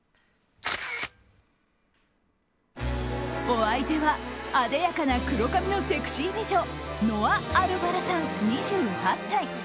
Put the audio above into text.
お相手はあでやかな黒髪のセクシー美女ノア・アルファラさん、２８歳。